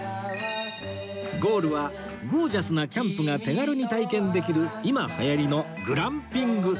ゴールはゴージャスなキャンプが手軽に体験できる今流行りのグランピング